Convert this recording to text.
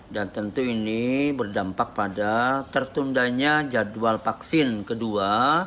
dan tentu ini berdampak pada tertundanya jadwal vaksin kedua